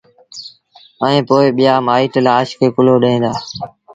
ائيٚݩ پو ٻيآ مآئيٚٽ لآش کي ڪُلهو ڏيݩ دآ